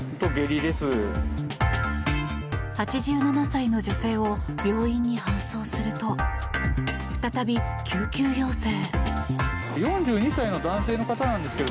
８７歳の女性を病院に搬送すると再び救急要請。